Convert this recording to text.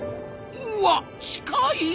うわ近い！